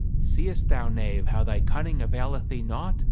" Seest thou, knave, how thy cunning availeth thee naught?"